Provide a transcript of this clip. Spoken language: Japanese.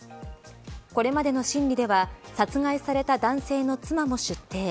これまでの審理では殺害された男性の妻も出廷。